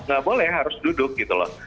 nggak boleh harus duduk gitu loh